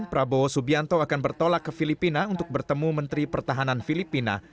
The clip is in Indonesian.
prabowo subianto akan bertolak ke filipina untuk bertemu menteri pertahanan filipina